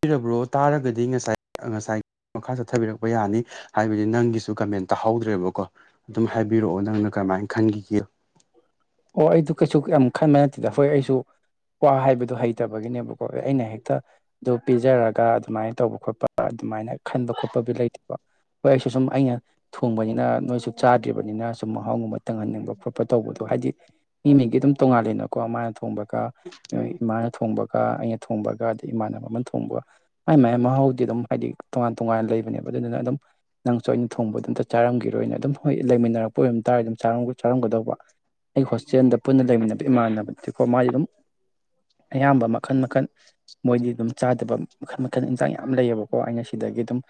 ꯇꯥꯔꯕ꯭ꯔꯣ ꯇꯥꯔꯒꯗꯤ ꯉꯁꯥꯏ ꯉꯁꯥꯏ ꯃꯈꯥ ꯆꯠꯊꯕꯤꯔꯛꯄ ꯌꯥꯅꯤ ꯍꯥꯏꯕꯗꯤ ꯅꯪꯒꯤꯁꯨ ꯀꯣꯃꯦꯟꯠ ꯇꯥꯍꯧꯗ꯭ꯔꯦꯕꯀꯣ ꯑꯗꯨꯝ ꯍꯥꯏꯕꯤꯔꯛꯑꯣ ꯅꯪꯅ ꯀꯔꯃꯥꯏꯅ ꯈꯟꯈꯤꯒꯦ [inaudible] ꯑꯣ ꯑꯩꯗꯣ ꯀꯩꯁꯨ ꯌꯥꯝ ꯈꯟꯕ ꯅꯠꯇꯦꯗ ꯍꯣꯏ ꯑꯩꯁꯨ ꯋꯥ ꯍꯥꯏꯕꯗꯣ ꯍꯩꯇꯕꯒꯤꯅꯦꯕꯀꯣ ꯑꯩꯅ ꯍꯦꯛꯇ ꯑꯗꯨ ꯄꯤꯖꯔꯒ ꯑꯗꯨꯃꯥꯏ ꯇꯧꯕ ꯈꯣꯠꯄ ꯑꯗꯨꯃꯥꯏꯅ ꯈꯟꯕ ꯈꯣꯠꯄꯕꯨꯗꯤ ꯂꯩꯇꯦꯕꯀꯣ ꯍꯣꯏ ꯑꯩꯁꯨ ꯁꯨꯝ ꯑꯩꯅ ꯊꯣꯡꯕꯅꯤꯅ ꯅꯣꯏꯁꯨ ꯆꯥꯗ꯭ꯔꯤꯕꯅꯤꯅ ꯁꯨꯝ ꯃꯍꯥꯎꯒꯨꯝꯕ ꯇꯪꯍꯟꯅꯤꯡꯕ ꯈꯣꯠꯄ ꯇꯧꯕꯗꯣ ꯍꯥꯏꯗꯤ ꯃꯤ ꯃꯤꯒꯤ ꯑꯗꯨꯝ ꯇꯣꯡꯉꯥꯜꯂꯦꯅꯀꯣ ꯃꯥꯅ ꯊꯣꯡꯕꯒ ꯏꯃꯥꯅ ꯊꯣꯡꯕꯒ ꯑꯩꯅ ꯊꯣꯡꯕꯒ ꯑꯩ ꯏꯃꯥꯟꯅꯕ ꯑꯃꯅ ꯊꯣꯡꯕ ꯃꯥꯏ ꯃꯥꯏ ꯃꯍꯥꯎꯗꯤ ꯑꯗꯨꯝ ꯍꯥꯏꯗꯤ ꯇꯣꯉꯥꯟ ꯇꯣꯉꯥꯟ ꯂꯩꯕꯅꯦꯕꯥ ꯑꯗꯨꯗꯨꯅ ꯑꯗꯨꯝ ꯅꯪꯁꯨ ꯑꯩꯅ ꯊꯣꯡꯕꯗ ꯑꯝꯇ ꯆꯥꯔꯝꯈꯤꯔꯣꯏꯅꯦ ꯑꯗꯨꯝ ꯍꯣꯏ ꯂꯩꯃꯤꯟꯅꯔꯛꯄ ꯑꯣꯏꯔꯝ ꯇꯥꯔꯗꯤ ꯑꯗꯨꯝ ꯆꯥꯔꯝꯒꯗꯧꯕ ꯑꯩ ꯍꯣꯁꯇꯦꯜꯗ ꯄꯨꯟꯅ ꯂꯩꯃꯤꯟꯅꯕ ꯏꯃꯥꯟꯅꯕꯗꯤꯀꯣ ꯃꯥꯏ ꯑꯗꯨꯝ ꯑꯌꯥꯝꯕ ꯃꯈꯜ ꯃꯈꯜ ꯃꯣꯏꯒꯤ ꯑꯗꯨꯝ ꯆꯥꯗꯕ ꯃꯈꯜ ꯃꯈꯜ ꯏꯟꯁꯥꯡ ꯌꯥꯝ ꯂꯩꯌꯦꯕꯀꯣ ꯑꯩꯅ ꯁꯤꯗꯒꯤ ꯑꯗꯨꯝ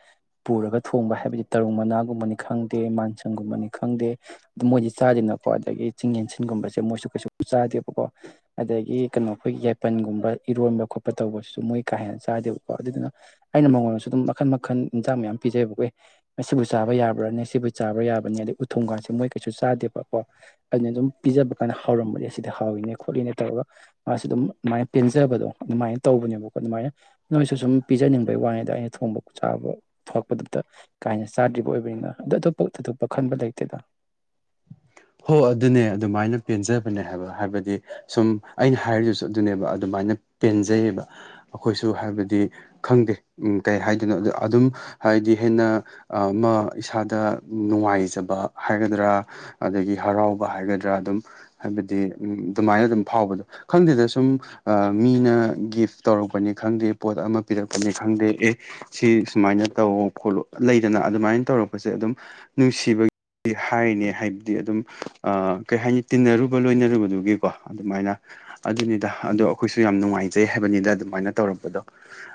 ꯄꯨꯔꯒ ꯊꯣꯡꯕ ꯍꯥꯏꯕꯗꯤ ꯗꯤ ꯇꯔꯨꯡ ꯃꯅꯥꯒꯨꯝꯕꯅꯤ ꯈꯪꯗꯦ ꯃꯥꯟꯁꯪꯒꯨꯝꯕꯅꯤ ꯈꯪꯗꯦ ꯑꯗꯨ ꯃꯣꯏꯗꯤ ꯆꯥꯗꯦꯗꯅꯥꯀꯣ ꯑꯗꯒꯤ ꯆꯤꯡ ꯌꯦꯟꯁꯤꯟꯒꯨꯝꯕꯁꯦ ꯃꯣꯏꯁꯨ ꯀꯩꯁꯨ ꯆꯥꯗꯦꯕꯀꯣ ꯑꯗꯒꯤ ꯀꯩꯅꯣ ꯑꯩꯈꯣꯏꯒꯤ ꯌꯥꯏꯄꯟꯒꯨꯝꯕ ꯏꯔꯣꯟꯕ ꯈꯣꯠ ꯈꯣꯠꯄ ꯇꯧꯕꯁꯨ ꯃꯣꯏ ꯀꯥ ꯍꯦꯟꯅ ꯆꯥꯗꯦꯕꯀꯣ ꯑꯗꯨꯗꯨꯅ ꯑꯩꯅ ꯃꯉꯣꯟꯗꯁꯨ ꯑꯗꯨꯝ ꯃꯈꯜ ꯃꯈꯜ ꯏꯟꯖꯥꯡ ꯃꯌꯥꯝ ꯄꯤꯖꯩꯑꯦꯕꯥꯀꯦ ꯑꯦꯍ ꯃꯁꯤꯕꯨ ꯆꯥꯕ ꯌꯥꯕ꯭ꯔꯥꯅꯦ ꯁꯤꯕꯨ ꯆꯥꯕ꯭ꯔꯥ ꯌ꯭ꯥꯕꯔꯥꯅꯦ ꯑꯗꯩ ꯎꯊꯣꯡꯒꯥꯁꯦ ꯃꯣꯏ ꯀꯩꯁꯨ ꯆꯥꯗꯦꯕꯀꯣ ꯑꯩꯅ ꯑꯗꯨꯝ ꯄꯤꯖꯕꯀꯥꯟꯗ ꯍꯥꯑꯣꯔꯝꯕꯒꯤ ꯁꯤꯗ ꯍꯥꯎꯏꯅꯦ ꯈꯣꯠꯂꯤꯅꯦ ꯇꯧꯔꯒ ꯃꯥꯁꯨ ꯑꯗꯨꯝ ꯑꯗꯨꯃꯥꯏꯅ ꯄꯦꯟꯖꯕꯗꯣ ꯗꯨꯃꯥꯏꯅ ꯇꯧꯕꯅꯦꯕꯀꯣ ꯗꯨꯃꯥꯏꯅ ꯅꯣꯏꯁꯨ ꯁꯨꯝ ꯄꯤꯖꯅꯤꯡꯕꯩ ꯋꯥꯅꯦꯗ ꯑꯩꯅ ꯊꯣꯡꯕ ꯆꯥꯕ ꯊꯣꯛꯄꯗꯨꯗ ꯀꯥꯏꯅ ꯆꯥꯗ꯭ꯔꯤꯕ ꯑꯣꯏꯕꯅꯤꯅ ꯑꯗꯨ ꯇꯣꯞꯄ ꯊꯨꯗꯣꯛꯄ ꯈꯟꯕ ꯂꯩꯇꯦꯗ [inaudible] ꯑꯣ ꯑꯗꯨꯅꯦ ꯑꯗꯨꯃꯥꯏꯅ ꯄꯦꯟꯖꯕꯅꯦ ꯍꯥꯏꯕ ꯍꯥꯏꯕꯗꯤ ꯁꯨꯝ ꯑꯩꯅ ꯍꯥꯏꯗꯨꯁꯨ ꯑꯗꯨꯅꯦꯕ ꯑꯗꯨꯃꯥꯏꯅ ꯄꯦꯟꯖꯩꯌꯦꯕ ꯑꯩꯈꯣꯏꯁꯨ ꯍꯥꯏꯕꯗꯤ ꯈꯪꯗꯦ ꯎꯝ ꯀꯩ ꯍꯥꯏꯗꯣꯏꯅꯣꯗꯣ ꯑꯗꯨꯝ ꯍꯥꯏꯗꯤ ꯍꯦꯟꯅ ꯑꯃ ꯏꯁꯥꯗ ꯅꯨꯡꯉꯥꯏꯖꯕ ꯍꯥꯏꯒꯗ꯭ꯔꯥ ꯑꯗꯒꯤ ꯍꯔꯥꯎꯕ ꯍꯥꯏꯒꯗ꯭ꯔꯥ ꯑꯗꯨꯝ ꯍꯥꯏꯕꯗꯤ ꯎꯝ ꯗꯨꯃꯥꯏꯅ ꯑꯗꯨꯝ ꯐꯥꯎꯕꯗꯣ ꯈꯪꯗꯦꯗ ꯁꯨꯝ ꯑꯥ ꯃꯤꯅ ꯒꯤꯐ ꯇꯧꯔꯛꯄꯅꯤ ꯈꯪꯗꯦ ꯄꯣꯠ ꯑꯃ ꯄꯤꯔꯛꯄꯅꯤ ꯈꯪꯗꯦ ꯑꯦ ꯁꯤ ꯁꯨꯃꯥꯏꯅ ꯅ ꯇꯧꯑꯣ ꯈꯣꯠꯂꯣ ꯂꯩꯗꯅ ꯑꯗꯨꯃꯥꯏ ꯇꯧꯔꯛꯄꯁꯦ ꯑꯗꯨꯝ ꯅꯨꯡꯁꯤꯕꯒꯤ ꯍꯥꯏꯔꯤꯅꯦ ꯍꯥꯏ ꯗꯤ ꯑꯗꯨꯝ ꯀꯩ ꯍꯥꯏꯅꯤ ꯇꯤꯟꯅꯔꯨꯕ ꯂꯣꯏꯅꯔꯨꯕꯗꯨꯒꯤꯀꯣ ꯑꯗꯨꯃꯥꯏꯅ ꯑꯗꯨꯅꯤꯗ ꯑꯗꯣ ꯑꯩꯈꯣꯏꯁꯨ ꯌꯥꯝ ꯅꯨꯡꯉꯥꯏꯖꯩ ꯍꯥꯏꯕꯅꯤꯁ ꯑꯗꯨꯃꯥꯏꯅ ꯇꯧꯔꯝꯕꯗꯣ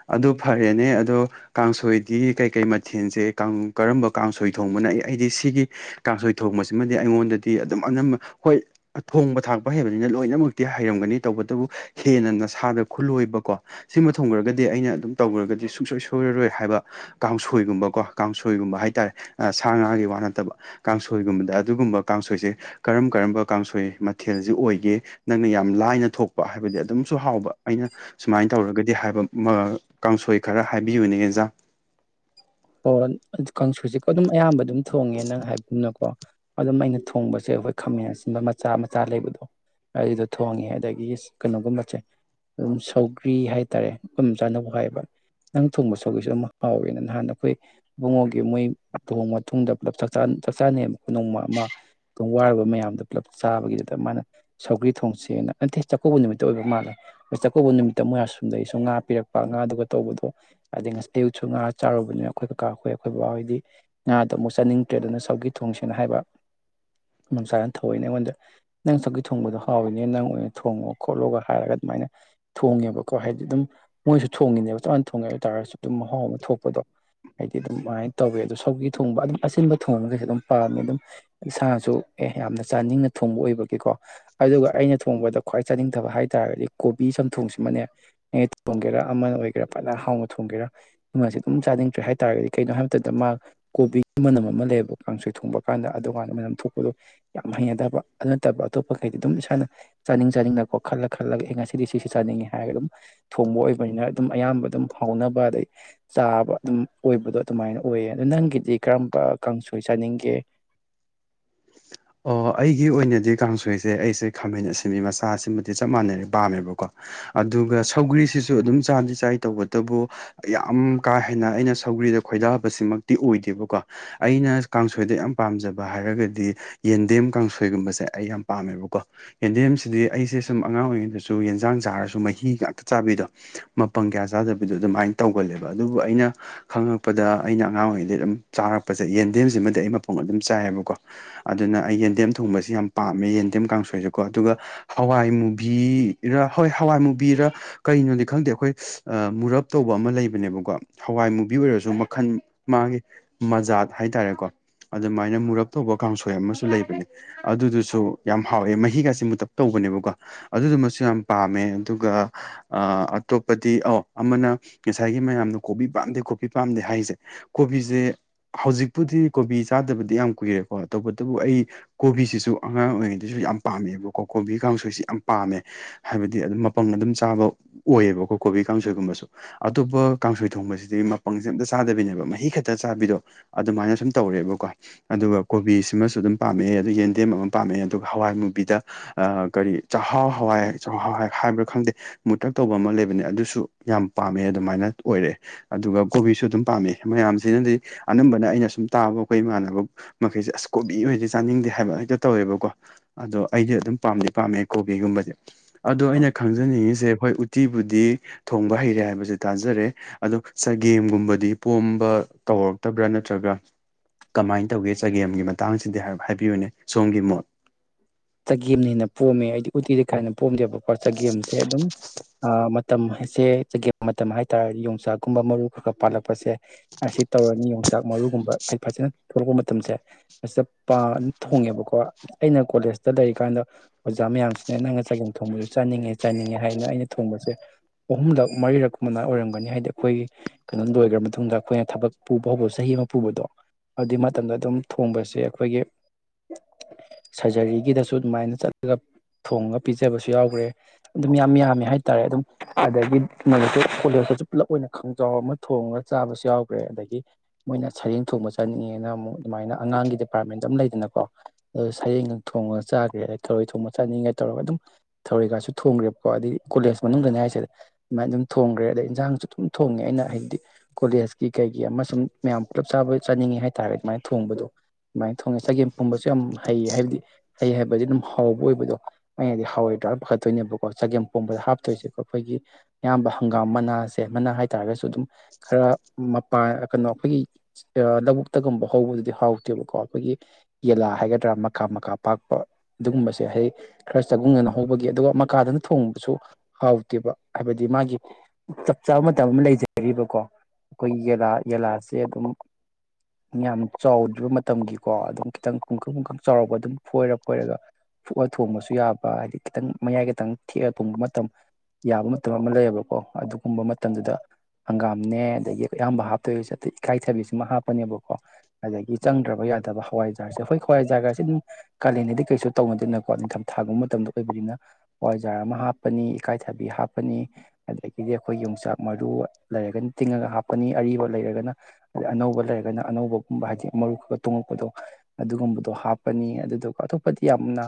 ꯑꯗꯨ ꯐꯔꯦꯅꯦ ꯑꯗꯣ ꯀꯥꯡꯁꯣꯏ ꯁꯤ ꯀꯩꯀꯩ ꯃꯊꯦꯜꯁꯦ ꯀꯪ ꯀꯔꯝꯕ ꯀꯥꯡꯁꯣꯏ ꯊꯣꯡꯕꯅ ꯑꯩ ꯑꯩꯗꯤ ꯁꯤꯒꯤ ꯀꯥꯡꯁꯣꯏ ꯊꯣꯡꯕꯁꯦ ꯁꯤꯃꯗꯤ ꯑꯩꯉꯣꯟꯗꯗꯤ ꯑꯗꯨꯝ ꯑꯅꯝꯕ ꯍꯣꯏ ꯊꯣꯡꯕ ꯊꯥꯛꯄ ꯍꯩꯕꯁꯤꯅ ꯂꯣꯏꯅꯃꯛꯇꯤ ꯍꯩꯔꯝꯒꯅꯤ ꯇꯧꯕꯇꯕꯨ ꯍꯦꯟꯅ ꯅꯁꯥꯗ ꯈꯨꯜꯂꯣꯏꯕꯀꯣ ꯁꯤꯃ ꯊꯣꯡꯈ꯭ꯔꯒꯗꯤ ꯑꯩꯅ ꯑꯗꯨꯝ ꯇꯧꯈ꯭ꯔꯒꯗꯤ ꯁꯨꯡꯁꯣꯏ ꯁꯣꯏꯔꯔꯣꯏ ꯍꯥꯏꯕ ꯋꯥ ꯀꯥꯡꯁꯣꯏꯒꯨꯝꯕꯀꯣ ꯀꯥꯡꯁꯣꯏꯒꯨꯝꯕ ꯍꯥꯏꯇꯥꯔꯦ ꯁꯥ ꯉꯥꯒꯤ ꯋꯥ ꯅꯠꯇꯕ ꯀꯥꯡꯁꯣꯏꯒꯨꯝꯕꯗ ꯗꯨꯒꯨꯝꯕ ꯀꯥꯡꯁꯣꯏꯁꯦ ꯀꯔꯝ ꯀꯔꯝꯕ ꯀꯥꯡꯁꯣꯏ ꯃꯊꯦꯜꯁꯤ ꯑꯣꯏꯒꯦ ꯅꯪꯅ ꯌꯥꯝ ꯂꯥꯏꯅ ꯊꯣꯛꯄ ꯍꯥꯏꯕ ꯍꯥꯏꯗꯤ ꯑꯗꯨꯝꯁꯨ ꯍꯥꯎꯕ ꯑꯩꯅ ꯁꯨꯃꯥꯏꯅ ꯇꯧꯔꯒꯗꯤ ꯍꯥꯏꯕ ꯃ ꯀꯥꯡꯁꯣꯏ ꯈꯔ ꯍꯥꯏꯕꯤꯌꯨꯅꯦ ꯑꯦꯟꯖꯥꯡ [inaudible] ꯍꯣ ꯑꯗꯨ ꯀꯥꯡꯁꯣꯢꯁꯦ ꯑꯗꯨꯝ ꯑꯌꯥꯝꯕ ꯑꯗꯨꯝ ꯊꯣꯡꯉꯦ ꯅꯪ ꯍꯥꯏ ꯒꯨꯝꯅꯀꯣ ꯑꯗꯨꯝ ꯑꯩꯅ ꯊꯣꯡꯕ ꯄꯣꯠꯁꯦ ꯑꯩꯈꯣꯏ ꯈꯥꯃꯦꯟ ꯑꯁꯤꯟꯕ ꯃꯆꯥ ꯃꯆꯥ ꯂꯩꯕꯗꯣ ꯑꯩꯗꯣ ꯊꯣꯡꯉꯦ ꯑꯗꯒꯤ ꯀꯩꯅꯣꯒꯨꯝꯕꯆꯦ ꯑꯗꯨꯝ ꯁꯧꯒ꯭ꯔꯤ ꯍꯥꯏꯇꯥꯔꯦ ꯗꯣꯝ ꯆꯥꯥꯅꯕꯨ ꯍꯥꯏꯕ ꯅꯪ ꯊꯣꯡꯕ ꯁꯧꯒ꯭ꯔꯤꯁꯨ ꯑꯗꯨꯝ ꯍꯥꯎꯋꯦ ꯅ ꯅꯍꯥꯟ ꯑꯩꯈꯣꯏ ꯏꯕꯨꯡꯉꯣꯒꯤ ꯃꯣꯏ ꯇꯣꯡ ꯃꯇꯨꯡꯗ ꯄꯨꯂꯞ ꯆꯥꯛꯆꯥꯥ ꯆꯥꯛꯆꯥꯅꯩꯕ ꯅꯣꯡꯃ ꯑꯃ ꯇꯣꯡ ꯋꯥꯔꯨꯕ ꯃꯌꯥꯝꯗꯣ ꯄꯨꯜꯂꯞ ꯆꯥꯕꯒꯤꯗꯨꯗ ꯃꯥꯅ ꯁꯧꯒ꯭ꯔꯤ ꯊꯣꯡꯁꯦꯅ ꯅꯠꯇꯦ ꯆꯥꯛꯀꯧꯕ ꯅꯨꯃꯤꯠꯇ ꯑꯣꯏꯕ ꯃꯥꯟꯂꯦ ꯆꯥꯛꯀꯧꯕ ꯅꯨꯃꯤꯠꯇ ꯃꯣꯏ ꯑꯁꯣꯝꯗꯩꯁꯨ ꯉꯥ ꯄꯤꯔꯛꯄ ꯉꯥꯗꯨꯒ ꯇꯧꯕꯗꯣ ꯑꯗꯩ ꯉꯁ ꯑꯌꯨꯛꯁꯨ ꯉꯥ ꯆꯥꯔꯨꯕꯅꯦ ꯑꯩꯈꯣꯏ ꯀꯀꯥ ꯍꯣꯏ ꯈꯣꯏ ꯕꯕꯥ ꯍꯣꯏꯗꯤ ꯉꯥꯗꯨ ꯑꯃꯨꯛ ꯆꯥꯅꯤꯡꯗ꯭ꯔꯦ ꯑꯗꯨꯅ ꯁꯧꯒ꯭ꯔꯤ ꯊꯣꯡꯁꯦꯅ ꯍꯥꯏꯕ ꯃꯝꯆꯥꯅ ꯊꯑꯣꯢꯅ ꯑꯩꯉꯣꯟꯗ ꯅꯪ ꯁꯧꯒ꯭ꯔꯤ ꯊꯣꯡꯕꯗꯣ ꯍꯥꯎꯋꯤꯅꯦ ꯅꯪ ꯑꯣꯏꯅ ꯊꯣꯡꯉꯣ ꯈꯣꯠꯂꯣꯒ ꯍꯥꯏꯔꯒ ꯃꯥꯏꯅ ꯊꯣꯡꯉꯦꯕꯀꯣ ꯍꯥꯏꯗꯤ ꯗꯨꯝ ꯃꯣꯏꯁꯨ ꯊꯣꯡꯉꯤꯅꯦꯕ ꯆꯞꯃꯥꯟꯅ ꯊꯣꯡꯉꯦ ꯇꯥꯔꯁꯨ ꯑꯗꯨꯝ ꯃꯍꯥꯎ ꯑꯃ ꯊꯣꯛ ꯄꯗꯣ ꯍꯥꯏꯗꯤ ꯗꯨꯃꯥꯏ ꯇꯧꯋꯦ ꯑꯗꯣ ꯁꯧꯒ꯭ꯔꯤ ꯊꯣꯡꯕ ꯑꯗꯨꯝ ꯑꯁꯤꯟꯕ ꯊꯣꯡꯕꯁꯦ ꯑꯗꯨꯝ ꯄꯥꯝꯃꯦ ꯑꯗꯨꯝ ꯏꯁꯥꯁꯨ ꯑꯦ ꯌꯥꯝꯅ ꯆꯥꯅꯤꯡꯅ ꯊꯣꯡꯕ ꯑꯣꯏꯕꯒꯤꯀꯣ ꯑꯗꯨꯒ ꯑꯩꯅ ꯊꯣꯡꯕꯗ ꯈ꯭ꯋꯥꯏ ꯆꯥꯅꯤꯡꯗꯕ ꯍꯥꯏꯇꯥꯔꯒꯗꯤ ꯀꯣꯕꯤ ꯎꯝ ꯊꯣꯡꯁꯤꯃꯅꯦ ꯑꯩ ꯊꯣꯡꯒꯦꯔꯥ ꯑꯃ ꯑꯣꯏꯒꯦꯔꯥ ꯐꯖꯅ ꯍꯥꯎꯅ ꯊꯣꯡꯒꯦꯔꯥ [unintelligible] ꯑꯗꯨꯝ ꯆꯥꯅꯤꯡꯗ꯭ꯔꯦ ꯍꯥꯏꯇꯥꯔꯒꯗꯤ ꯀꯩꯅꯣ ꯍꯥꯏꯕ ꯃꯇꯝꯗ ꯃꯥ ꯀꯣꯕꯤꯒꯤ ꯃꯅꯝ ꯑꯃ ꯂꯩꯌꯦꯕ ꯀꯥꯡꯁꯣꯢ ꯊꯣꯡꯕ ꯀꯥꯟꯗ ꯑꯗꯨꯀꯥꯟ ꯃꯣꯏꯅ ꯂꯪꯊꯣꯛꯄꯗꯣ ꯌꯥꯝ ꯍꯩꯅꯗꯕ ꯑꯗꯨ ꯅꯠꯇꯕ ꯑꯇꯣꯞꯄꯈꯩꯗꯤ ꯑꯗꯨꯝ ꯏꯁꯥꯅ ꯆꯥꯅꯤꯡ ꯆꯥꯅꯤꯡꯅꯀꯣ ꯈꯜꯂ ꯈꯜꯂꯒ ꯑꯩ ꯉꯁꯤꯗꯤ ꯁꯤꯁꯤ ꯆꯥꯅꯤꯡꯉꯤ ꯍꯥꯏꯔꯒ ꯑꯗꯨꯝ ꯊꯣꯡꯕ ꯑꯣꯏꯕꯅꯤꯅ ꯑꯗꯨꯝ ꯑꯌꯥꯝꯕ ꯑꯗꯨꯝ ꯍꯥꯎꯅꯕ ꯑꯗꯩ ꯆꯥꯕ ꯑꯗꯨꯝ ꯑꯣꯏꯕꯗꯣ ꯑꯗꯨꯃꯥꯏꯅ ꯑꯣꯏꯌꯦ ꯑꯗꯣ ꯅꯪꯒꯤꯗꯤ ꯀꯔꯝꯕ ꯀꯥꯡꯁꯣꯏ ꯆꯥꯅꯤꯡꯒꯦ [unintelligible] ꯑꯣ ꯑꯩꯒꯤ ꯑꯣꯏꯅꯗꯤ ꯀꯥꯡꯁꯣꯏꯁꯦ ꯑꯩꯁꯦ ꯈꯥꯃꯦꯟ ꯑꯁꯤꯟꯕꯤ ꯃꯆꯥ ꯑꯁꯤꯃꯗꯤ ꯆꯞ ꯃꯥꯟꯅꯔꯦ ꯄꯥꯝꯃꯦꯕꯀꯣ ꯑꯗꯨꯒ ꯁꯧꯒ꯭ꯔꯤꯁꯤꯁꯨ ꯑꯗꯨꯝ ꯆꯥꯗꯤ ꯆꯥꯏ ꯇꯧꯕꯇꯕꯨ ꯌꯥꯝ ꯀꯥ ꯍꯦꯟꯅ ꯑꯩꯅ ꯁꯧ ꯁꯧꯒ꯭ꯔꯤꯗ ꯈꯣꯏꯗꯥꯕꯁꯤꯃꯛꯇꯤ ꯑꯣꯏꯗꯦꯕꯀꯣ ꯑꯩꯅ ꯀꯥꯡꯁꯣꯏꯗ ꯌꯥꯝꯅ ꯄꯥꯝꯖꯕ ꯍꯥꯏꯔꯒꯗꯤ ꯌꯦꯟꯗꯦꯝ ꯀꯥꯡꯁꯣꯏꯒꯨꯝꯕꯁꯦ ꯑꯩ ꯌꯥꯝ ꯄꯥꯝꯃꯦꯕꯀꯣ ꯌꯦꯟꯗꯦꯝꯁꯤꯗꯤ ꯑꯩꯁꯦ ꯁꯨꯝ ꯑꯉꯥꯡ ꯑꯣꯏꯔꯤꯉꯩꯗꯁꯨ ꯌꯦꯟꯖꯥꯡ ꯆꯥꯔꯁꯨ ꯃꯍꯤ ꯉꯥꯛꯇ ꯆꯕꯤꯗꯣ ꯃꯄꯪ ꯀꯌꯥ ꯆꯗꯕꯤꯗꯣ ꯑꯗꯨꯃꯥꯢ ꯇꯧꯒꯟꯂꯦꯕ ꯑꯗꯨꯕꯨ ꯑꯩꯅ ꯈꯪ ꯈꯪꯉꯛꯄꯗ ꯑꯩꯅ ꯑꯉꯥꯡ ꯑꯣꯏꯔꯤꯉꯩꯗꯒꯤ ꯑꯗꯨꯝ ꯆꯥꯔꯛꯄꯁꯦ ꯌꯦꯟꯗꯦꯝꯁꯤꯃꯗꯤ ꯑꯩ ꯃꯄꯪ ꯑꯗꯨꯝ ꯆꯥꯏꯌꯦꯕꯀꯣ ꯑꯗꯨꯅ ꯑꯩ ꯌꯦꯟꯗꯦꯝ ꯊꯣꯡꯕꯁꯤ ꯌꯥꯝ ꯄꯥꯝꯃꯦ ꯌꯦꯟꯗꯦꯝ ꯀꯥꯡꯁꯣꯏꯁꯦꯀꯣ ꯑꯗꯨꯒ ꯍꯋꯥꯏ ꯃꯨꯕꯤꯔꯥ ꯍꯣꯏ ꯍꯋꯥꯏ ꯃꯨꯕꯤꯔꯥ ꯀꯩꯅꯣꯗꯤ ꯈꯪꯗꯦ ꯑꯩꯈꯣꯏ ꯃꯨꯔꯞ ꯇꯧꯕ ꯑꯃ ꯂꯩꯕꯅꯦꯕꯀꯣ ꯍꯋꯥꯏ ꯕꯤ ꯑꯣꯏꯔꯁꯨ ꯃꯈꯜ ꯃꯥꯒꯤ ꯃꯖꯥꯠ ꯍꯥꯏꯇꯥꯔꯦꯀꯣ ꯑꯗꯨꯃꯥꯏꯅ ꯃꯨꯔꯞ ꯇꯧꯕ ꯀꯥꯡꯁꯣꯢ ꯍꯣꯢ ꯑꯃꯁꯨ ꯂꯩꯕꯅꯦ ꯑꯗꯨꯗꯨꯁꯨ ꯌꯥꯝ ꯍꯥꯎꯋꯦ ꯃꯍꯤꯒꯁꯦ ꯃꯨꯇꯥꯛ ꯇꯧꯕꯅꯦꯕꯀꯣ ꯑꯗꯨꯗꯨꯃꯁꯨ ꯌꯥꯝ ꯄꯥꯝꯃꯦ ꯑꯗꯨꯒ ꯑꯇꯣꯞꯄꯗꯤ ꯑꯧ ꯑꯃꯅ ꯉꯁꯥꯏꯒꯤ ꯃꯌꯥꯝꯅ ꯀꯣꯕꯤ ꯄꯥꯝꯗꯦ ꯀꯣꯕꯤ ꯄꯥꯝꯗꯦ ꯍꯥꯏꯁꯦ ꯀꯣꯕꯤꯖꯦ ꯍꯧꯖꯤꯛꯄꯨꯗꯤ ꯀꯣꯕꯤ ꯆꯥꯗꯕꯗꯤ ꯌꯥꯝ ꯀꯨꯏꯔꯦꯀꯣ ꯇꯧꯕꯇꯕꯨ ꯑꯩ ꯀꯣꯕꯤꯁꯤꯁꯨ ꯑꯉꯥꯡ ꯑꯣꯏꯔꯤꯉꯩꯗꯁꯨ ꯌꯥꯝ ꯄꯥꯝꯃꯦꯕꯀꯣ ꯀꯣꯕꯤ ꯀꯥꯡꯁꯣꯏꯁꯦ ꯌꯥꯝ ꯄꯥꯝꯃꯦ ꯍꯥꯏꯕꯗꯤ ꯑꯗꯨꯝ ꯃꯄꯪ ꯑꯗꯨꯝ ꯆꯥꯕ ꯑꯣꯏꯌꯦꯕꯀꯣ ꯀꯣꯕꯤ ꯀꯥꯡꯁꯣꯏꯒꯨꯝꯕꯁꯨ ꯑꯇꯣꯞꯄ ꯀꯥꯡꯁꯣꯏ ꯊꯣꯡꯕꯁꯤ ꯗꯤ ꯃꯄꯪꯁꯦ ꯑꯝꯇ ꯆꯥꯗꯕꯤꯅꯦꯕ ꯃꯍꯤ ꯈꯛꯇ ꯆꯥꯕꯤꯗꯣ ꯑꯗꯨꯃꯥꯏꯅ ꯁꯨꯝ ꯇꯧꯔꯦꯕꯀꯣ ꯑꯗꯨꯒ ꯀꯣꯕꯤꯁꯤꯃꯁꯨ ꯑꯗꯨꯝ ꯄꯥꯝꯃꯛꯑꯦ ꯑꯗꯩ ꯌꯦꯟꯗꯦꯝ ꯑꯃ ꯄꯥꯝꯃꯦ ꯑꯗꯨꯒ ꯍꯋꯥꯏ ꯃꯨꯕꯤꯗ ꯑꯥ ꯀꯔꯤ ꯆꯍꯥꯎ ꯍꯥ [unintelligible] ꯍꯥꯏꯕ꯭ꯔꯥ ꯈꯪꯗꯦ ꯃꯨꯇꯛ ꯇꯧꯕ ꯑꯃ ꯂꯩꯕꯅꯦ ꯑꯗꯨꯁꯨ ꯌꯥꯝ ꯄꯥꯝꯃꯦ ꯑꯗꯨꯃꯥꯏꯅ ꯑꯣꯏꯔꯛꯑꯦ ꯑꯗꯨꯒ ꯀꯣꯕꯤꯁꯨ ꯑꯗꯨꯝ ꯄꯥꯝꯃꯦ ꯃꯌꯥꯝꯁꯤꯅꯗꯤ ꯑꯅꯝꯕꯅ ꯑꯩꯅ ꯁꯨꯝ ꯇꯥꯕ ꯑꯈꯣꯏ ꯏꯃꯥꯟꯅꯕ ꯃꯈꯩꯁꯦ ꯑꯁ ꯀꯣꯕꯤ ꯑꯣꯏꯗꯤ ꯆꯥꯅꯤꯡꯗꯦ ꯍꯥꯏꯕ ꯍꯦꯛꯇ ꯇꯧꯋꯦꯕꯀꯣ ꯑꯗꯣ ꯑꯩꯗꯤ ꯑꯗꯨꯝ ꯄꯥꯝꯗꯤ ꯄꯥꯝꯃꯦ ꯀꯣꯕꯤꯒꯨꯝꯕ ꯑꯗꯣ ꯑꯩꯅ ꯈꯪꯖꯅꯤꯡꯉꯤꯁꯦ ꯍꯣꯏ ꯎꯇꯤꯕꯨꯗꯤ ꯊꯣꯡꯕ ꯍꯩꯔꯦ ꯍꯥꯏꯕꯁꯦ ꯇꯥꯖꯔꯦ ꯑꯗꯣ ꯆꯒꯦꯝꯒꯨꯝꯕꯗꯤ ꯄꯣꯝꯕ ꯇꯧꯔꯛꯇꯕ꯭ꯔꯥ ꯅꯠꯇ꯭ꯔꯒ ꯀꯃꯥꯏꯟ ꯇꯧꯒꯦ ꯆꯒꯦꯝꯒꯤ ꯃꯇꯥꯡꯁꯤꯗꯤ ꯍꯥꯏꯔ꯭ꯞ ꯍꯥꯏꯕꯤꯌꯨꯅꯦ ꯁꯣꯝꯒꯤ ꯃꯣꯠ ꯆꯒꯦꯝꯅ ꯍꯦꯟꯅ ꯄꯣꯝꯃꯦ ꯑꯩꯗꯤ ꯎꯇꯤꯗꯤ ꯀꯥꯍꯦꯟꯅ ꯄꯣꯝꯗꯦꯕꯀꯣ ꯆꯒꯦꯝꯁꯦ ꯑꯗꯨꯝ ꯑꯥ ꯃ ꯃꯇꯝ ꯍꯥꯏꯁꯦ ꯆꯒꯦꯝ ꯃꯇꯝ ꯍꯥꯏꯇꯥꯥꯔꯗꯤ ꯌꯣꯡꯆꯥꯛꯀꯨꯝꯕ ꯃꯔꯨ ꯈꯔ ꯈꯔ ꯄꯥꯜꯂꯛꯄꯁꯦ ꯑꯁꯤ ꯇꯧꯔꯅꯤ ꯌꯦ ꯆꯥꯛ ꯃꯔꯨꯒꯨꯝꯕ ꯑꯩ ꯐꯖꯟ ꯊꯣꯂꯛꯄ ꯃꯇꯝꯁꯦ [unintelligible] ꯄꯥꯟ ꯊꯣꯡꯉꯦꯕꯀꯣ ꯑꯩꯅ ꯀꯣꯂꯦꯖꯇ ꯂꯩꯔꯤꯀꯥꯟꯗ ꯑꯣꯖꯥ ꯃꯌꯥꯝꯁꯤꯅ ꯅꯪꯅ ꯆꯒꯦꯝ ꯊꯣꯡꯕꯁꯨ ꯆꯥꯅꯤꯡꯉꯦ ꯆꯥꯅꯤꯡꯉꯦ ꯍꯥꯏꯅ ꯑꯩꯅ ꯊꯣꯡꯕ ꯁꯦ ꯑꯍꯨꯝꯂꯛ ꯃꯔꯤꯔꯛ ꯃꯅꯥ ꯑꯣꯏꯔꯝꯒꯅꯤ ꯍꯥꯏꯗꯤ ꯈꯣꯏꯒꯤ ꯀꯅꯣ ꯂꯣꯏꯒ꯭ꯔ ꯃꯇꯨꯡꯗ ꯈꯣꯏꯅ ꯊꯕꯛ ꯄꯨ ꯄꯣꯕ ꯆꯍꯤ ꯑꯃ ꯄꯨꯕꯗꯣ ꯑꯗꯨꯏ ꯃꯇꯝꯗ ꯑꯗꯨꯝ ꯊꯣꯡꯕꯁꯦ ꯑꯈꯣꯏꯒꯤ [inaudible] ꯁ꯭ꯔꯖꯔꯤꯒꯤꯗꯁꯨ ꯑꯗꯨꯃꯥꯏꯟ ꯆꯠꯂ ꯊꯣꯡꯉ ꯄꯤꯖꯕꯁꯨ ꯌꯥꯎꯒ꯭ꯔꯦ ꯑꯗꯨꯝ ꯌꯥꯝ ꯌꯥꯝꯃꯦ ꯍꯥꯏꯇꯥꯔꯦ ꯑꯗꯨꯝ ꯑꯗꯒꯤ ꯅꯣꯡꯃꯁꯨ ꯀꯣꯂꯦꯖ ꯇꯁꯨ ꯄꯨꯂꯞ ꯑꯣꯏꯅ ꯈꯣꯡꯖꯥꯎ ꯑꯃ ꯊꯣꯡꯉꯒ ꯆꯥꯕꯁꯨ ꯌꯥꯎꯈ꯭ꯔꯦ ꯑꯗꯒꯤ ꯃꯣꯏꯅ ꯁꯔꯦꯡ ꯊꯣꯡꯕ ꯆꯥꯅꯤꯡꯉꯦꯅ ꯑꯃꯨꯛ ꯑꯗꯨꯥꯏꯅ ꯑꯉꯥꯡꯒꯤ ꯗꯤꯄꯥ꯭ꯔꯠꯃꯦꯟ ꯗꯨꯝ ꯂꯩꯗꯅꯀꯣ ꯁꯔꯦꯡꯒ ꯊꯣꯡꯉꯒ ꯆꯥꯒ꯭ꯔꯦ ꯑꯗꯩ ꯊꯔꯣꯏ ꯊꯣꯡꯕ ꯆꯥꯅꯤꯡꯉꯦ ꯇꯧꯔꯒ ꯑꯗꯨꯝ ꯊꯔꯣꯏꯒꯁꯨ ꯊꯣꯡꯈ꯭ꯔꯦꯕꯀꯣ ꯑꯗꯒꯤ ꯀꯣꯂꯦꯖ ꯃꯅꯨꯡꯗꯅꯦ ꯍꯥꯏꯁꯦ ꯑꯗꯨꯃꯥꯏꯟ ꯑꯗꯨꯝ ꯊꯣꯡꯈ꯭ꯔꯦ ꯑꯗꯩ ꯏꯟꯖꯥꯡꯁꯨ ꯑꯗꯨꯝ ꯊꯣꯡꯉꯦ ꯑꯩꯅ ꯍꯥꯏꯗꯤ ꯀꯣꯂꯦꯖꯀꯤ ꯀꯩꯒꯤ ꯎ ꯃꯁꯨꯝ ꯃꯌꯥꯝ ꯄꯨꯜꯂꯞ ꯆꯥꯕ ꯆꯥꯅꯤꯡꯉꯦ ꯍꯥꯏꯇꯥꯔꯗꯤ ꯑꯗꯨꯃꯥꯏꯟ ꯊꯣꯡꯕꯗꯣ ꯑꯗꯨꯃꯥꯏꯟ ꯊꯣꯡꯉꯦ ꯆꯒꯦꯝ ꯄꯣꯝꯕꯁꯨ ꯌꯥꯝ ꯍꯩ ꯍꯥꯏꯕꯗꯤ ꯍꯩ ꯍꯥꯏꯕꯗꯤ ꯑꯗꯨꯝ ꯍꯥꯎꯕ ꯑꯣꯏꯕꯗꯣ ꯑꯩꯅꯗꯤ ꯍꯥꯎꯔꯣꯏꯗ꯭ꯔꯥꯅ ꯄꯥꯈꯠꯇꯣꯏꯅꯦꯕꯀꯣ ꯆꯒꯦꯝ ꯄꯣꯝꯕꯗ ꯍꯥꯞꯇꯣꯏꯁꯦꯀꯣ ꯑꯈꯣꯏꯒꯤ ꯑꯌꯥꯝꯕ ꯍꯪꯒꯥꯝ ꯃꯅꯥꯁꯦ ꯃꯅꯥ ꯍꯥꯏꯇꯥꯔꯒꯁꯨ ꯑꯗꯨꯝ ꯈꯔ ꯃꯄꯥ ꯑ ꯑꯥ ꯀꯅꯣ ꯑꯩꯈꯣꯏꯒꯤ ꯑꯥ ꯂꯕꯨꯛꯇꯒꯨꯝꯕ ꯍꯧꯕꯗꯨꯗꯤ ꯍꯥꯎꯇꯦꯕꯀꯣ ꯑꯩꯈꯣꯏꯒꯤ ꯌꯦꯂꯥ ꯍꯥꯏꯒꯗ ꯃꯀꯥ ꯃꯀꯥ ꯄꯥꯛꯄ ꯑꯗꯨꯒꯨꯝꯕꯁꯦ ꯍꯥꯏꯗꯤ ꯈꯔ ꯆꯒꯨꯡꯅꯅ ꯍꯧꯕꯒꯤ ꯑꯗꯨꯒ ꯃꯀꯥꯗꯨꯅ ꯊꯣꯡꯕꯁꯨ ꯍꯥꯎꯇꯦꯕ ꯍꯥꯏꯕꯗꯤ ꯃꯥꯒꯤ ꯆꯞ ꯆꯥꯕ ꯃꯇꯝ ꯑꯃ ꯂꯩꯖꯔꯤꯕꯀꯣ ꯑꯈꯣꯏ ꯌꯦꯂꯥ ꯌꯦꯂꯥꯥꯁꯦ ꯑꯗꯨꯝ ꯌꯥꯝ ꯆꯥꯎꯗ꯭ꯔꯤꯕ ꯃ ꯇꯝꯒꯤꯀꯣ ꯑꯗꯨꯝ ꯈꯤꯇꯪ ꯄꯨꯡꯀꯛ ꯄꯨꯡꯀꯛ ꯆꯥꯎꯔꯛꯄ ꯑꯗꯨꯝ ꯐꯣꯏꯔ ꯐꯣꯏꯔꯒ ꯐꯨꯛꯑ ꯊꯣꯡꯕꯁꯨ ꯌꯥꯕ ꯍꯥꯏꯗꯤ ꯈꯤꯇꯪ ꯃꯌꯥꯏ ꯈꯇꯪ ꯊꯦꯛꯑ ꯊꯣꯡꯕ ꯃꯇꯝ ꯌꯥꯕ ꯃꯇꯝ ꯑꯃ ꯂꯩꯌꯦꯕꯀꯣ ꯑꯗꯨꯒꯨꯝꯕ ꯃꯇꯝꯗꯨꯗ ꯍꯪꯒꯥꯝꯅꯦ ꯑꯗꯒꯤ ꯑꯌꯥꯝꯕ ꯍꯥꯞꯇꯣꯏꯁꯦ ꯑꯇꯩ ꯏꯀꯥꯏꯊꯕꯤꯁꯤꯃ ꯍꯥꯞꯄꯅꯤꯕꯀꯣ ꯑꯗꯒꯤ ꯆꯪꯗ꯭ꯔꯕ ꯌ ꯌꯥꯗꯕ ꯍꯋꯥꯏꯖꯥ꯭ꯔꯁꯦ ꯍꯣꯏ ꯍꯋꯥꯏꯖꯥꯔꯒꯁ ꯇꯤꯟ ꯀꯥꯂꯦꯟꯗꯗꯤ ꯀꯩꯁꯨ ꯇꯧꯅꯗꯦꯅꯀꯣ ꯅꯤꯡꯊꯝ ꯊꯥꯒꯨꯝꯕ ꯃꯇꯝꯗ ꯑꯣꯏꯕꯅꯤꯅ ꯍꯋꯥꯏꯖꯥꯔ ꯑꯃ ꯍꯥꯞꯄꯅꯤ ꯏꯀꯥꯏꯊꯕꯤ ꯍꯥꯞꯄꯅꯤ ꯑꯗꯒꯤꯗꯤ ꯑꯈꯣꯏ ꯌꯣꯡꯆꯥꯛ ꯃꯔꯨ ꯂꯩꯔꯒꯅ ꯇꯤꯡꯉꯒ ꯍꯥꯞꯀꯅꯤ ꯑꯔꯤꯕ ꯂ ꯂꯩꯔꯒꯅ ꯑꯅꯧꯕ ꯂꯩꯔꯒꯅ ꯑꯅꯧꯕꯒꯨꯝꯕ ꯍꯥꯏꯗꯤ ꯃꯔꯨ ꯈꯒ ꯇꯣꯡꯉꯄꯗꯣ ꯑꯗꯨꯒꯨꯝꯕꯗꯣ ꯍꯥꯞ ꯕꯅꯤ ꯑꯗꯨꯗꯨꯒ ꯑꯇꯣꯞꯄꯗꯤ ꯌꯥꯝꯅ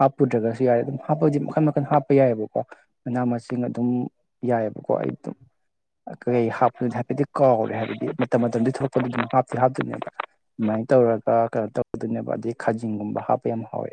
ꯍꯥꯞꯄꯨꯗ꯭ꯔꯒꯁꯨ ꯌꯥꯏ ꯑꯗꯨꯝ ꯍꯥꯞꯄꯗꯤ ꯃꯈꯟ ꯃꯈꯟ ꯍꯥꯞꯄ ꯌꯥꯏꯑꯕꯀꯣ ꯃꯅꯥ ꯃꯁꯤꯡ ꯑꯗꯨꯝ ꯌꯥꯏ ꯌꯥꯏꯕꯀꯣ ꯑꯩ ꯗꯨꯝ [inaudible] ꯀꯩ ꯍꯥꯞꯄꯨꯗꯤ ꯍꯥꯏꯐꯦꯠꯇꯤ ꯀꯥꯎꯔꯦ ꯍꯥꯏꯕ ꯃꯇꯝ ꯃꯇꯝꯗꯨ ꯊꯣꯔꯛꯄꯗꯨ ꯑꯗꯨꯝ ꯍꯥꯞꯇꯤ ꯍꯥꯞꯇꯣꯏꯅꯦꯕ ꯑꯗꯨꯃꯥꯏ ꯇꯧꯔꯒ ꯀꯩꯅꯣ ꯇꯧꯗꯣꯏꯅꯦꯕ ꯑꯗꯒꯤ ꯈꯥꯖꯤꯡꯒꯨꯝꯕ ꯍꯥꯞꯄ ꯌꯥꯝ ꯍꯥꯎꯋꯦ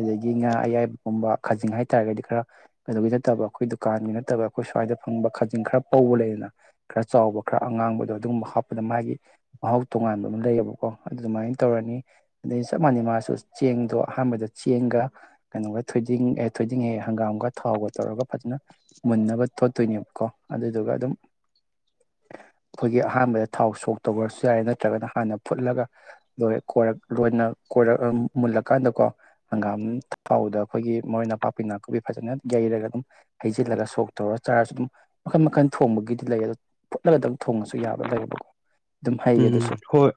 ꯑꯗꯒꯤ ꯉꯥ ꯑꯌꯥꯏꯕꯒꯨꯝꯕ ꯈꯥꯖꯤꯡ ꯍꯥꯏꯇꯥꯔꯒꯗꯤ ꯈꯔ ꯀꯩꯅꯣꯒꯤ ꯅꯠꯇꯕ ꯑꯩꯈꯣꯏ ꯗꯨꯀꯥꯟꯒꯤ ꯅꯠꯇꯕ ꯑꯩꯈꯣꯏ ꯁ꯭ꯋꯥꯏ ꯁꯥꯏꯗ ꯐꯪꯕ ꯈꯥꯖꯤꯡ ꯈꯔ ꯄꯧꯕ ꯂꯩꯗꯅ ꯈꯔ ꯆꯥꯎꯕ ꯈꯔ ꯑꯉꯥꯡꯕꯗꯣ ꯑꯗꯨꯒꯨꯝꯕ ꯍꯥꯞꯄꯗ ꯃꯥꯒꯤ ꯃꯍꯥꯎ ꯇꯣꯉꯥꯟꯕ ꯑꯃ ꯂꯩꯌꯦꯕꯀꯣ ꯑꯗꯨꯗꯨꯃꯥꯏ ꯇꯧꯔꯅꯤ ꯑꯗꯩ ꯆꯞ ꯃꯥꯟꯅꯩ ꯃꯥꯁꯨ ꯆꯦꯡꯗꯣ ꯑꯍꯥꯟꯕꯗ ꯆꯦꯡꯒ ꯀꯩꯅꯣꯒ ꯊꯣꯏꯗꯤꯡ ꯑꯦ ꯊꯣꯏꯗꯤꯡ ꯑꯦ ꯍꯪꯒꯥꯝꯒ ꯊꯥꯎꯒ ꯇꯧꯔꯒ ꯐꯖꯅ ꯃꯨꯟꯅꯕ ꯇꯣꯠꯇꯣꯏꯅꯦꯕꯀꯣ ꯑꯗꯨꯗꯨꯒ ꯑꯗꯨꯝ [inaudible] ꯑꯩꯈꯣꯏꯒꯤ ꯑꯍꯥꯟꯕꯗ ꯊꯥꯎ ꯁꯣꯛ ꯇꯧꯒꯔ꯭ꯁꯨ ꯇꯧꯒꯔꯁꯨ ꯌꯥꯔꯦ ꯅꯠꯇ꯭ꯔꯒꯅ ꯍꯥꯟꯅ ꯐꯨꯠꯂꯒ ꯂꯣꯏꯔ ꯀꯣꯟ ꯂꯣꯏꯅ ꯀꯣꯏꯔ ꯑꯥ ꯃꯨꯜꯂꯀꯥꯟꯗꯀꯣ ꯍꯪꯒꯥꯝ ꯊꯥꯎꯗ ꯑꯩꯈꯣꯏꯒꯤ ꯃꯔꯣꯏ ꯅꯥꯄꯥꯛꯄꯤ ꯅꯥꯀꯨꯄꯤ ꯐꯖꯅ ꯌꯩ ꯔꯒ ꯗꯨꯝ ꯍꯩꯖꯤꯜꯂꯒ ꯁꯣꯛ ꯇꯧꯔ ꯆꯥꯔꯁꯨ ꯑꯗꯨꯝ ꯃꯈꯟ ꯃꯈꯟ ꯊꯣꯡꯕꯒꯤꯗꯤ ꯂꯩ ꯑꯗꯣ ꯐꯨꯠꯂꯒ ꯗꯡ ꯊꯣꯡꯉ [inaudible] ꯎꯝ ꯍꯣꯏ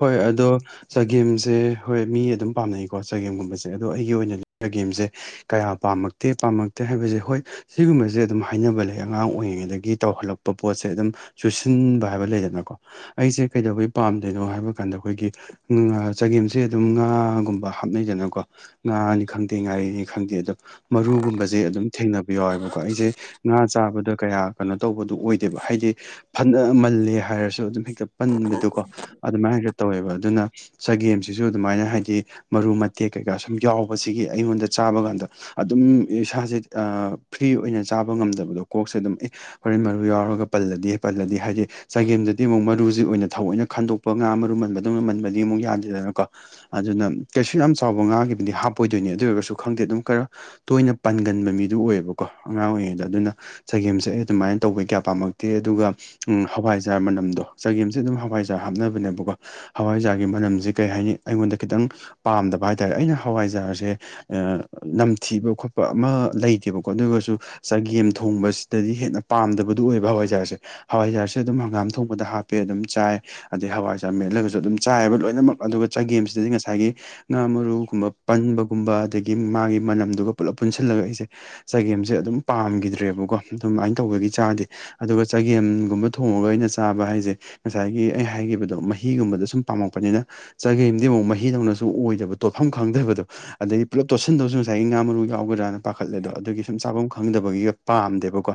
ꯍꯣꯏ ꯑꯗꯣ ꯆꯒꯦꯝꯁꯦ ꯍꯣꯏ ꯃꯤ ꯑꯗꯨꯝ ꯄꯥꯝꯅꯩꯀꯣ ꯆꯒꯦꯝꯒꯨꯝꯕꯖꯦ ꯑꯗꯣ ꯑꯩꯒꯤ ꯑꯣꯏꯅꯗꯤ ꯆꯒꯦꯝꯖꯦ ꯀꯌꯥ ꯄꯥꯝꯃꯛꯇꯦ ꯄꯥꯝꯃꯛꯇꯦ ꯍꯥꯏꯕꯖꯦ ꯍꯣꯏ ꯁꯤꯒꯨꯝꯕꯖꯦ ꯑꯗꯨꯝ ꯍꯥꯏꯅꯕ ꯂꯩ ꯑꯉꯥꯡ ꯑꯣꯏꯔꯤꯉꯩꯗꯒꯤ ꯇꯧꯍꯜꯂꯛꯄ ꯄꯣꯠꯁꯦ ꯑꯗꯨꯝ ꯆꯨꯁꯤꯟ ꯎꯝ ꯕ ꯍꯥꯏꯕ ꯂꯩꯗꯅꯀꯣ ꯑꯩꯁꯦ ꯀꯩꯗꯧꯕꯩ ꯄꯥꯝꯗ꯭ꯔꯤꯅꯣ ꯍꯥꯏꯕ ꯀꯥꯟꯗ ꯑꯩꯈꯣꯏꯒꯤ ꯎꯝ ꯆꯒꯦꯝꯁꯦ ꯑꯗꯨꯝ ꯉꯥꯒꯨꯝꯕ ꯍꯥꯞꯅꯩꯗꯅꯀꯣ ꯉꯥꯅꯤ ꯈꯪꯗꯦ ꯉꯥꯔꯤꯅꯤ ꯈꯪꯗꯦ ꯑꯗꯣ ꯃꯔꯨꯒꯨꯝꯕꯖꯦ ꯑꯗꯨꯝ ꯊꯦꯡꯅꯕ ꯌꯥꯎꯋꯦꯕꯀꯣ ꯑꯩꯖꯦ ꯉꯥ ꯆꯥꯕꯗ ꯀꯌꯥ ꯀꯩꯅꯣ ꯇꯧꯕꯗꯣ ꯑꯣꯏꯗꯦꯕ ꯍꯥꯏꯗꯤ ꯐꯅꯥ ꯃꯜꯂꯦ ꯍꯥꯏꯔꯁꯨ ꯑꯗꯨꯝ ꯍꯦꯛꯇ ꯄꯟꯕꯗꯣꯀꯣ ꯑꯗꯨꯃꯥꯏꯅ ꯍꯦꯛꯇ ꯇꯧꯋꯦꯕ ꯑꯗꯨꯅ ꯆꯒꯦꯝꯁꯤꯁꯨ ꯑꯗꯨꯃꯥꯏꯅ ꯍꯥꯏꯗꯤ ꯃꯔꯨ ꯃꯇꯦꯛ ꯀꯩꯀꯥ ꯁꯨꯝ ꯌꯥꯎꯕꯁꯤꯒꯤ ꯑꯩꯉꯣꯟꯗ ꯆꯥꯕ ꯀꯥꯟꯗ ꯑꯗꯨꯝ ꯏꯁꯥꯖꯦ ꯑꯥ ꯐ꯭ꯔꯤ ꯑꯣꯏꯅ ꯆꯥꯕ ꯉꯝꯗꯕꯗꯣ ꯀꯣꯛꯁꯦ ꯑꯗꯨꯝ ꯑꯦ ꯍꯣꯔꯦꯟ ꯃꯔꯨ ꯌꯥꯎꯔꯒ ꯄꯜꯂꯗꯤ ꯄꯜꯂꯗꯤ ꯍꯥꯏꯗꯤ ꯆꯒꯦꯝꯗ ꯑꯃꯨꯛ ꯃꯔꯨꯖꯤ ꯑꯣꯏꯅ ꯊꯧꯑꯣꯏꯅ ꯈꯟꯗꯣꯛꯄ ꯉꯥ ꯃꯔꯨ ꯃꯟꯕꯗꯧꯅ ꯃꯟꯕꯗꯤ ꯑꯃꯨꯛ ꯌꯥꯗꯦꯗꯅꯀꯣ ꯑꯗꯨꯅ ꯀꯩꯁꯨ ꯌꯥꯝ ꯆꯥꯎꯕ ꯉꯥꯒꯤꯗꯤ ꯍꯥꯞꯄꯣꯏꯗꯣꯏꯅꯦ ꯑꯗꯨ ꯑꯣꯏꯔꯒꯁꯨ ꯈꯪꯗꯦ ꯑꯗꯨꯝ ꯈꯔ ꯇꯣꯏꯅ ꯄꯟꯒꯟꯕ ꯃꯤꯗꯨ ꯑꯣꯏꯌꯦꯕꯀꯣ ꯑꯉꯥꯡ ꯑꯣꯏꯔꯤꯉꯩꯗ ꯑꯗꯨꯅ ꯆꯒꯦꯝꯁꯦ ꯑꯩ ꯑꯗꯨꯃꯥꯏꯅ ꯇꯧꯕꯩ ꯀꯌꯥ ꯄꯥꯝꯃꯛꯇꯦ ꯑꯗꯨꯒ ꯎꯝ ꯍꯋꯥꯏꯖꯥꯔ ꯃꯅꯝ ꯆꯒꯦꯝꯁꯦ ꯑꯗꯨꯝ ꯍꯋꯥꯏꯖꯥꯔ ꯍꯥꯞꯅꯕꯅꯦꯕꯀꯣ ꯍꯋꯥꯏꯖꯥꯔꯒꯤ ꯃꯅꯝꯖꯦ ꯀꯩ ꯍꯥꯏꯅꯤ ꯑꯩꯉꯣꯟꯗ ꯈꯤꯇꯪ ꯄ ꯄꯥꯝꯗꯕ ꯍꯥꯏꯇꯥꯔꯦ ꯑꯩꯅ ꯍꯋꯥꯏꯖꯥꯔꯖꯦ ꯑꯥ ꯅꯝꯊꯤꯕ ꯈꯣꯠꯄ ꯑꯃ ꯂꯩꯇꯦꯕꯀꯣ ꯑꯗꯨ ꯑꯣꯏꯒꯖꯨ ꯆꯒꯦꯝ ꯊꯣꯡꯕꯁꯤꯗꯗꯤ ꯍꯦꯟꯅ ꯄꯥꯝꯗꯕꯗꯨ ꯑꯣꯏꯕ ꯍꯋꯥꯏꯖꯥꯔꯁꯦ ꯍꯋꯥꯏꯖꯥꯔꯁꯦ ꯑꯗꯨꯝ ꯍꯪꯒꯥꯝ ꯊꯣꯡꯕꯗ ꯍꯥꯞꯄꯦ ꯑꯗꯨꯝ ꯆꯥꯏ ꯑꯗꯩ ꯍꯋꯥꯏꯖꯔ ꯃꯦꯠꯂꯒꯖꯨ ꯑꯗꯨꯝ ꯆꯥꯏꯑꯕ ꯂꯣꯏꯅꯃꯛ ꯑꯗꯨꯒ ꯆꯒꯦꯝꯁꯤꯗꯗꯤ ꯉꯁꯥꯏꯒꯤ ꯉꯥ ꯃꯔꯨꯒꯨꯝꯕ ꯄꯟꯕꯒꯨꯝꯕ ꯑꯗꯒꯤ ꯃꯥꯒꯤ ꯃꯅꯝꯗꯨꯒ ꯄꯨꯂꯞ ꯄꯨꯟꯁꯤꯜꯂꯒ ꯑꯩꯁꯦ ꯆꯒꯦꯝ ꯖꯦ ꯑꯗꯨꯝ ꯄꯥꯝꯒꯤꯗ꯭ꯔꯦꯕꯀꯣ ꯑꯗꯨꯃꯥꯏ ꯇꯧꯕꯒꯤ ꯆꯥꯗꯦ ꯑꯗꯨꯒ ꯆꯒꯦꯝꯒꯨꯝꯕ ꯊꯣꯡꯉꯒ ꯑꯩꯅ ꯆꯥꯕ ꯍꯥꯏꯖꯦ ꯉꯁꯥꯏꯒꯤ ꯑꯩ ꯍꯥꯏꯒꯤꯕꯗꯣ ꯃꯍꯤꯒꯨꯝꯕꯗꯣ ꯁꯨꯝ ꯄꯥꯝꯃꯛꯄꯅꯤꯅ ꯆꯥꯒꯦꯝꯗꯤ ꯑꯃꯨꯛ ꯃꯍꯤꯗꯧꯅ ꯁꯨ ꯑꯣꯏꯗꯕ ꯇꯣꯠꯐꯝ ꯈꯪꯗꯕꯗꯣ ꯑꯗꯩꯩ ꯄꯨꯂꯞ ꯇꯣꯠꯁꯤꯟꯗꯧꯁꯨ ꯉꯁꯥꯏꯒꯤ ꯉꯥ ꯃꯔꯨ ꯌꯥꯎꯒꯗ꯭ꯔꯥꯅ ꯄꯥꯈꯠꯂꯦꯗꯣ ꯑꯗꯨꯒꯤ ꯁꯨꯝ ꯆꯥꯚꯝ ꯈꯪꯗꯕꯒꯤꯒ ꯄꯥꯝꯗꯦꯕꯀꯣ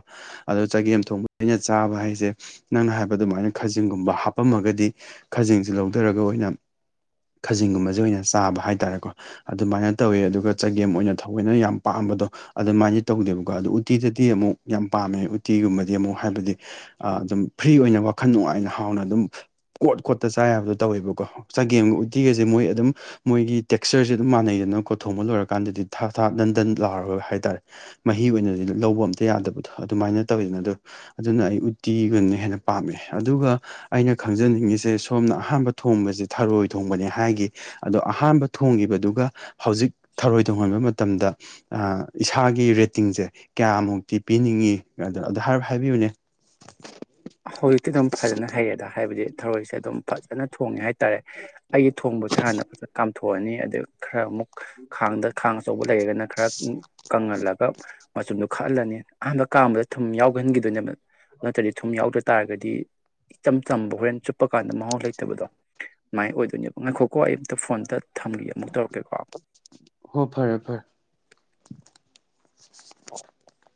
ꯑꯗꯣ ꯆꯒꯦꯝ ꯊꯣꯡꯕꯗ ꯑꯩꯅ ꯆꯥꯕ ꯍꯥꯏꯖꯦ ꯅꯪ ꯅꯍꯥꯟ ꯑꯗꯨꯃꯥꯏꯅ ꯈꯥꯖꯤꯡꯒꯨꯝꯕ ꯍꯥꯞꯄꯝꯃꯒꯗꯤ ꯈꯖꯤꯡꯖꯤ ꯂꯧꯗꯔꯒ ꯑꯣꯏꯅ ꯈꯖꯤꯡꯒꯨꯝꯕꯖꯦ ꯑꯣꯏꯅ ꯆꯥꯕ ꯍꯥꯏꯇꯥꯔꯦꯀꯣ ꯑꯗꯨꯃꯥꯏꯅ ꯇꯧꯋꯦ ꯑꯗꯨꯒ ꯆꯒꯦꯝ ꯑꯣꯏꯅ ꯊꯑꯣꯏꯅ ꯌꯥꯝ ꯄꯥꯝ ꯗꯣ ꯑꯗꯨꯃꯥꯏꯗꯤ ꯇꯧꯗꯦꯕꯀꯣ ꯑꯗꯣ ꯎꯇꯤꯗꯗꯤ ꯑꯃꯨꯛ ꯌꯥꯝ ꯄꯥꯝꯃꯦ ꯎꯇꯤꯒꯨꯝꯕꯗꯤ ꯑꯃꯨꯛ ꯍꯥꯏꯕꯗꯤ ꯑꯗꯨꯝ ꯐ꯭ꯔꯤ ꯑꯣꯏꯅ ꯋꯥꯈꯜ ꯅꯨꯡꯉꯥꯏꯅ ꯍꯥꯎꯅ ꯑꯗꯨꯝ ꯀꯣꯠ ꯀꯣꯠꯇ ꯆꯥ ꯌꯥꯕꯗꯣ ꯇꯧꯋꯦꯕꯀꯣ ꯆꯪ ꯒꯦꯝꯒ ꯎꯇꯤꯒꯁꯦ ꯃꯣꯏ ꯑꯗꯨꯝ ꯃꯣꯏꯒꯤ ꯇꯦꯛꯁꯆꯔꯁꯦ ꯑꯗꯨꯝ ꯃꯥꯟꯅꯩꯗꯅꯀꯣ ꯊꯣꯡꯕ ꯂꯣꯏꯔꯀꯥꯟꯗꯗꯤ ꯊꯥ ꯊꯥ ꯗꯟꯗꯟ ꯂꯥꯎꯔ ꯍꯥꯏꯇꯥꯔꯦ ꯃꯍꯤ ꯑꯣꯏꯅ ꯂꯧꯕ ꯑꯝꯇ ꯌꯥꯗꯕꯗꯣ ꯑꯗꯨꯃꯥꯏꯅ ꯇꯧꯋꯤꯗꯅ ꯑꯗꯨ ꯑꯗꯨꯅ ꯑꯩ ꯎꯇꯤꯒꯅ ꯍꯦꯟꯅ ꯄꯥꯝꯃꯦ ꯑꯗꯨꯒ ꯑꯩꯅ ꯈꯪꯖꯅꯤꯡꯉꯤꯁꯦ ꯁꯣꯝꯅ ꯑꯍꯥꯟꯕ ꯊꯣꯡꯕꯁꯦ ꯊꯔꯣꯏ ꯊꯣꯡꯕꯅꯦ ꯍꯥꯏꯒꯤ ꯑꯗꯣ ꯑꯍꯥꯟꯕ ꯊꯣꯡꯈꯤꯕꯗꯨꯒ ꯍꯧꯖꯤꯛ ꯊꯔꯣꯏ ꯊꯣꯡꯍꯟꯕ ꯃꯇꯝꯗ ꯑꯥ ꯏꯁꯥꯒꯤ ꯀꯤ ꯔꯦꯇꯤꯡꯁꯦ ꯀ꯭ꯌꯥꯃꯨꯛꯇꯤ ꯄꯤꯅꯤꯡꯉꯤ ꯑꯗꯨ ꯑꯗꯨ ꯍꯥꯏ ꯍꯥꯏꯕꯤꯌꯨꯅꯦ ꯍꯧꯖꯤꯛꯇꯤ ꯗꯨꯝ ꯐꯖꯅ ꯍꯩꯌꯦꯗ ꯍꯥꯏꯕꯗꯤ ꯊꯔꯣꯏꯁꯦ ꯑꯗꯨꯝ ꯐꯖꯅ ꯊꯣꯡꯉꯦ ꯍꯥꯏ ꯇꯔꯦ ꯑꯩꯒꯤ ꯊꯣꯡꯕꯁꯦ ꯍꯥꯟꯅ ꯐꯖꯅ ꯀꯥꯝꯊꯣꯛꯑꯅꯤ ꯑꯗꯨ ꯈꯔ ꯑꯃꯨꯛ ꯈꯥꯡꯗ ꯈꯥꯡ ꯑꯆꯧ ꯂꯩꯔꯒꯅ ꯈꯔ ꯀꯪꯍꯜꯂꯒ ꯃꯆꯨꯝꯗꯨ ꯈꯜꯂꯅꯤ ꯑꯍꯥꯟꯕ ꯀꯥꯝꯕꯗ ꯊꯨꯝ ꯌꯥꯎꯍꯟꯒꯤꯗꯣꯏꯅꯦꯕ ꯅꯠꯇ꯭ꯔꯗꯤ ꯊꯨꯝ ꯌꯥꯎꯗ ꯇꯥꯔꯒꯗꯤ ꯏꯆꯝ ꯆꯝꯕ ꯍꯣꯔꯦꯟ ꯆꯨꯞꯄ ꯀꯥꯟꯗ ꯃꯍꯥꯎ ꯂꯩꯇꯕꯗꯣ ꯃꯥꯏ ꯑꯣꯏꯗꯣꯏꯅꯦꯕ ꯉꯥꯏꯈꯣꯀꯣ ꯑꯩ ꯑꯝꯇ ꯐꯣꯟ ꯑꯝꯇ ꯊꯝꯒꯦ ꯑꯃꯨꯛ ꯇꯧꯔꯛꯀꯦꯀꯣ ꯍꯣ ꯐꯔꯦ ꯐꯔꯦ [inaudible]